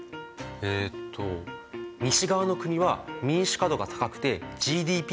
えと西側の国は民主化度が高くてＧＤＰも高い。